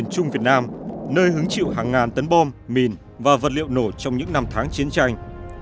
trung việt nam nơi hứng chịu hàng ngàn tấn bom mìn và vật liệu nổ trong những năm tháng chiến tranh